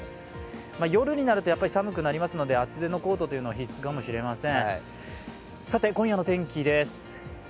夜になるとやはり寒くなりますので、厚手のコートは必須かもしれません。